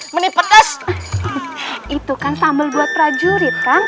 meni pedes itu kan sambal buat prajurit kang